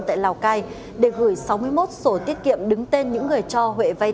tại lào cai để tìm kiếm tài sản